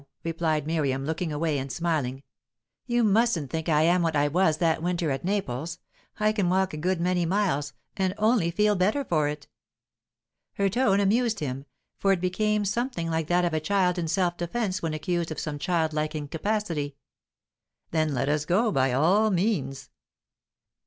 replied Miriam, looking away and smiling. "You mustn't think I am what I was that winter at Naples. I can walk a good many miles, and only feel better for it." Her tone amused him, for it became something like that of a child in self defence when accused of some childlike incapacity. "Then let us go, by all means."